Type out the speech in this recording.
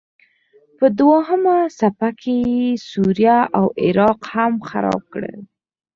په دوهمه څپه کې یې سوریه او عراق هم خراب کړل.